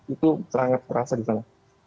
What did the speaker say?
itu sangat terasa di sana